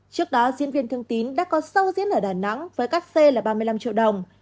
trước đó diễn viên thương tín đã có sâu diễn ở đà nẵng với các c là ba mươi năm triệu đồng